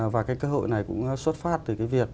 và cái cơ hội này cũng xuất phát từ cái việc